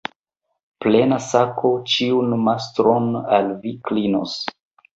Plena sako ĉiun mastron al vi klinos.